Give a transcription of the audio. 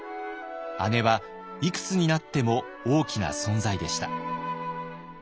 姉はいくつになっても大きな存在でした。